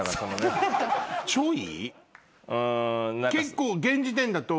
ちょい？